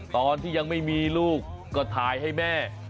ตอนที่ยังไม่มีลูกก็ถ่ายให้แม่